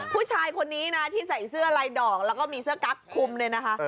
ผู้ชายคนนี้นะที่ใส่เสื้อลายดอกแล้วก็มีเสื้อกั๊บคุมเนี่ยนะคะ